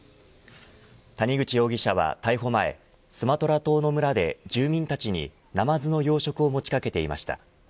谷口容疑者は逮捕前スマトラ島の村で住民たちにナマズの養殖をもちかけていました。